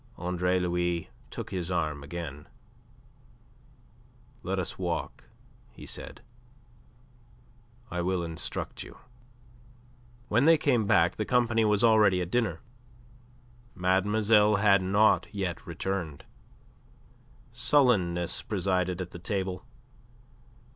Andre Louis took his arm again. "Let us walk," he said. "I will instruct you." When they came back the company was already at dinner. Mademoiselle had not yet returned. Sullenness presided at the table.